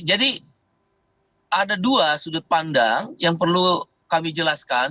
jadi ada dua sudut pandang yang perlu kami jelaskan